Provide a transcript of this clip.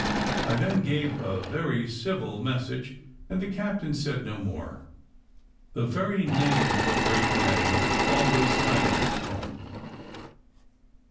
I then gave a very civil message, and the captain said no more: the very name of a great man always silenced him.